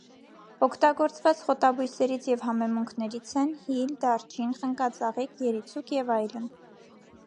Օգտագործված խոտաբույսերից և համեմունքներից են՝ հիլ, դարչին, խնկածաղիկ, երիցուկ և այլն։